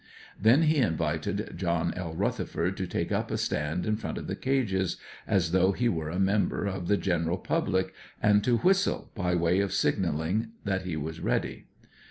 Then he invited John L. Rutherford to take up a stand in front of the cages, as though he were a member of the general public, and to whistle, by way of signalling that he was ready.